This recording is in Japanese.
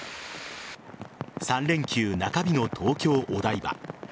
３連休中日の東京・お台場。